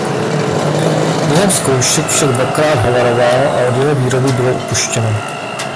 Během zkoušek však dvakrát havaroval a od jeho výroby bylo upuštěno.